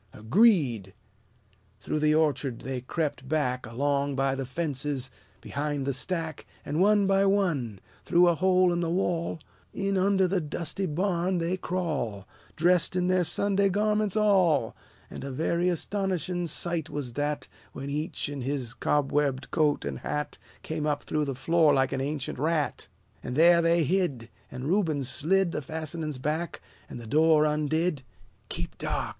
"Agreed!" Through the orchard they crept back, Along by the fences, behind the stack, And one by one, through a hole in the wall, In under the dusty barn they crawl, Dressed in their Sunday garments all; And a very astonishing sight was that, When each in his cobwebbed coat and hat Came up through the floor like an ancient rat. And there they hid; And Reuben slid The fastenings back, and the door undid. "Keep dark!"